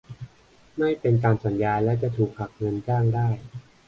ไม่เป็นตามสัญญาและจะถูกหักเงินจ้างได้